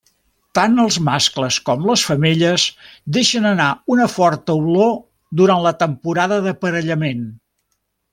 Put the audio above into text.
Tant els mascles com les femelles deixen anar una forta olor durant la temporada d'aparellament.